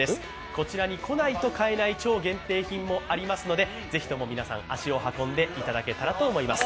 こちらに来ないと変えない超限定品もありますのでぜひとも皆さん足を運んでいただけたらと思います。